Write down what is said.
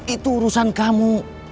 itu urusan kamu